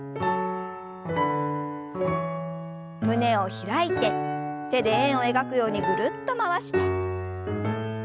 胸を開いて手で円を描くようにぐるっと回して。